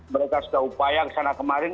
mereka sudah upaya ke sana kemarin